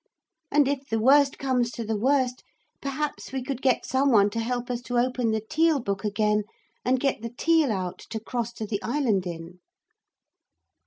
And if the worst comes to the worst, perhaps we could get some one to help us to open the Teal book again and get the Teal out to cross to the island in.'